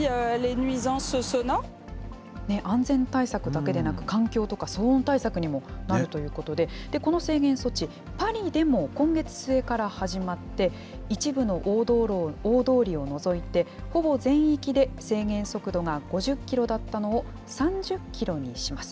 安全対策だけでなく、環境とか騒音対策にもなるということで、この制限措置、パリでも今月末から始まって、一部の大通りを除いて、ほぼ全域で制限速度が５０キロだったのを３０キロにします。